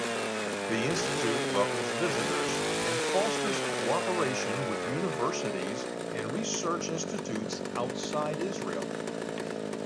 The Institute welcomes visitors and fosters cooperation with universities and research institutes outside Israel.